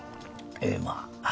ええまあ。